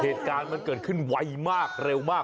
เหตุการณ์มันเกิดขึ้นไวมากเร็วมาก